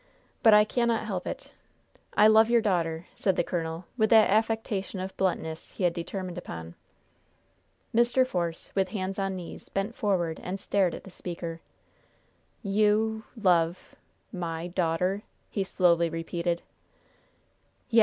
But I cannot help it I love your daughter!" said the colonel, with that affectation of bluntness he had determined upon. Mr. Force, with hands on knees, bent forward and stared at the speaker. "You love my daughter!" he slowly repeated. "Yes!